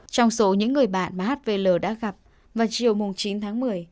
trong số những người bạn mà hvl đã gặp vào chiều chín tháng một mươi